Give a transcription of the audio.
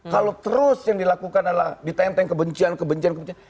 kalau terus yang dilakukan adalah ditenteng kebencian kebencian kebencian